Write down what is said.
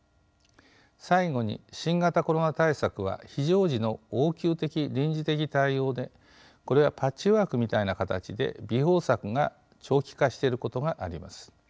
最後に新型コロナ対策は非常時の応急的臨時的対応でこれはパッチワークみたいな形でびほう策が長期化していることがあります。